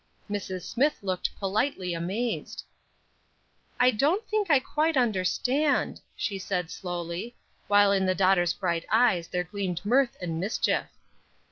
Mrs. Smith looked politely amazed. "I don't think I quite understand," she said, slowly; while in the daughter's bright eyes there gleamed mirth and mischief.